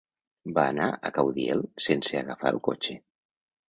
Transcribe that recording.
Va anar a Caudiel sense agafar el cotxe.